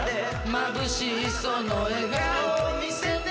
まぶしいその笑顔見せて